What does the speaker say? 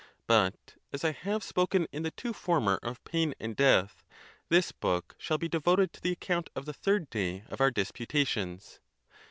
But as I have spoken in the two former of pain and death, this book shall be ' 94 THE TUSCULAN DISPUTATIONS. devoted to the account of the third day of our disputa tions.